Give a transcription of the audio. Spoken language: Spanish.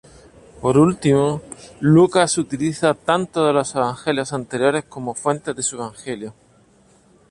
Por último, Lucas utiliza tanto de los evangelios anteriores como fuentes de su Evangelio.